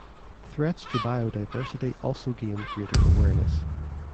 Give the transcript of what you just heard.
Threats to biodiversity also gained greater awareness.